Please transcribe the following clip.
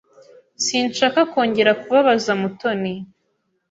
Sinshaka kongera kubabaza Mutoni.